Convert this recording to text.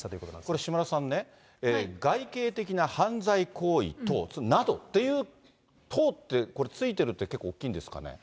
これ島田さんね、外形的な犯罪行為等、などっていう、これ、ついてるって結構、大きいんですかね。